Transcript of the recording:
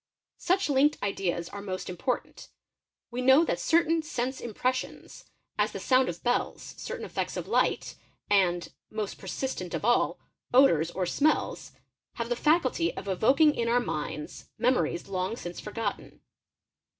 Such linked ideas are most important: we know that certain sense impressions, as the sound of bells, certain effects of ght, and—most persistent of all—odours or smells, have the faculty of evoking in our minds memories long since forgotten.